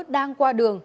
đang qua đường